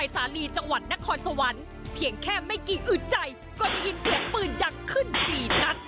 สาลีจังหวัดนครสวรรค์เพียงแค่ไม่กี่อึดใจก็ได้ยินเสียงปืนดังขึ้น๔นัด